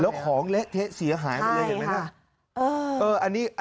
แล้วของเละเสียหายไปเลยเห็นไหมครับ